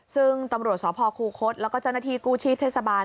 ซึ่งตำรวจสพคูคศแล้วก็เจ้าหน้าที่กู้ชีพเทศบาล